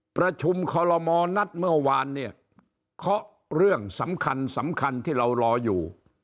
ประชุมคอลโมนัดเมื่อวานเนี่ยเคาะเรื่องสำคัญสำคัญที่เรารออยู่